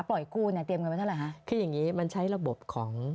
ปล่อยกู้เตรียมเงินไว้เท่าไหร่คะ